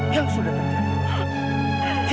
yang sudah terjadi